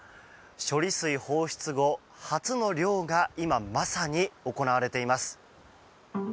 処理水放出後、初の漁が今まさに行われています。